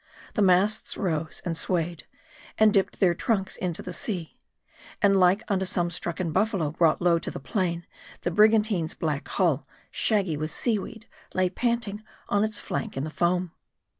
The masts rose, and swayed, and dipped their trucks in the sea. And like unto some stricken buffalo brought low to the plain, the brigantine's black hull, shaggy with sea weed, lay panting on its flank in the foam.